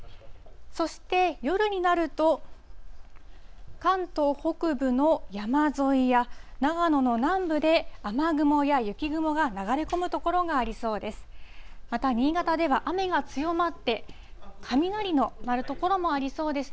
そして夜になると、関東北部の山沿いや、長野の南部で雨雲や雪雲が流れ込む所がありそうです。